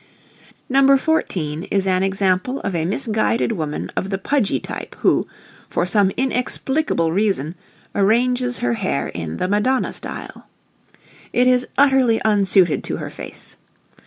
[Illustration: NOS. 14 AND 15] No. 14 is an example of a misguided woman of the pudgy type who, for some inexplicable reason, arranges her hair in the Madonna style. It is utterly unsuited to her face.